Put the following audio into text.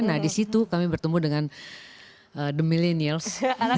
nah disitu kami bertemu dengan the millenials